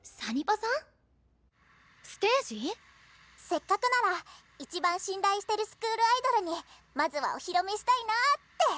「せっかくなら一番信頼してるスクールアイドルにまずはお披露目したいなあって！」。